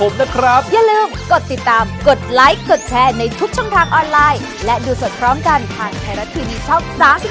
สวัสดีครับ